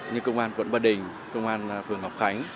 như công an quận ba đình công an phường ngọc khánh